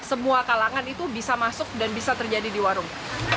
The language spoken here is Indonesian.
semua kalangan itu bisa masuk dan bisa terjadi di warung